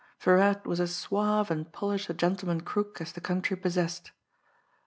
Virat was as suave and polished a gentleman crook as the country possessed.